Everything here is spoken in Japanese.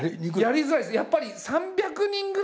やりづらいです。